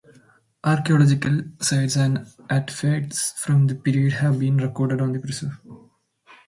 Archeological sites and artifacts from this period have been recorded on the Preserve.